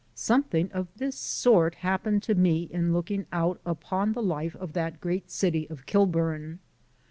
Something of this sort happened to me in looking out upon the life of that great city of Kilburn.